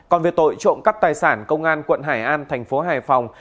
còn về tội trộm cắp tài sản công an quận hải an thành phố hải phòng